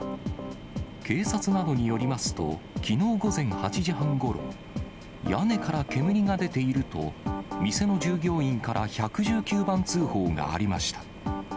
警察などによりますと、きのう午前８時半ごろ、屋根から煙が出ていると、店の従業員から１１９番通報がありました。